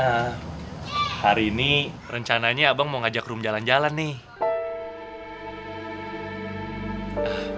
nah hari ini rencananya abang mau ngajak room jalan jalan nih